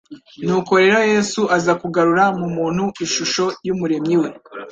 Nuko rero Yesu aza kugarura mu muntu ishusho y'Umuremyi we.